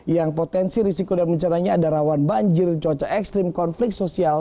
yang potensi risiko dan bencananya ada rawan banjir cuaca ekstrim konflik sosial